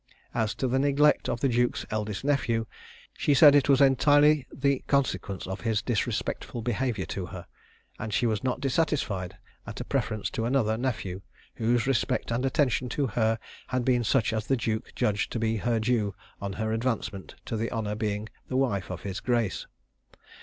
As to the neglect of the duke's eldest nephew, she said it was entirely the consequence of his disrespectful behaviour to her; and she was not dissatisfied at a preference to another nephew, whose respect and attention to her had been such as the duke judged to be her due on her advancement to the honour of being the wife of his grace.